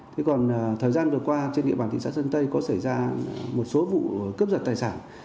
thế còn thời gian vừa qua trên địa bàn thị xã sơn tây có xảy ra một số vụ cướp giật tài sản